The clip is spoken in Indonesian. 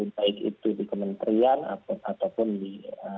baik itu di kementerian ataupun di